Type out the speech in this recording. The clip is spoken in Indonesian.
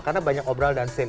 karena banyak obrol dan sale